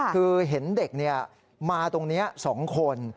คือเห็นเด็กมาตรงนี้๒คน